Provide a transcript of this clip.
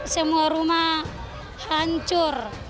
semua rumah hancur